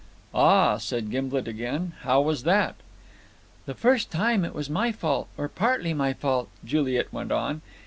"Ah," said Gimblet again. "How was that?" "The first time it was my fault, or partly my fault," Juliet went on.